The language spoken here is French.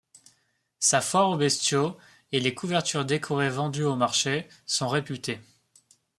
Sa foire aux bestiaux et les couvertures décorées vendues au marché sont réputées.